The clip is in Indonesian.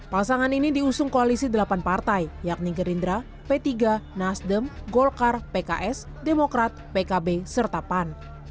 pasangan ini diusung koalisi delapan partai yakni gerindra p tiga nasdem golkar pks demokrat pkb serta pan